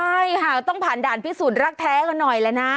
ใช่ต้องผ่านด่านพิสูจน์รักแท้ก็หน่อยละนะ